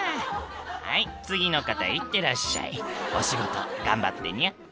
「はい次の方いってらっしゃいお仕事頑張ってニャ」